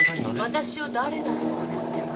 私を誰だと思ってんの？